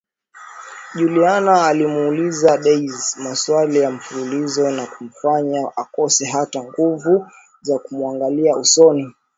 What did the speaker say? Juliana alimuuliza Daisy maswali ya mfululizo na kumfanya akose hata nguvu za kumuangalia usoni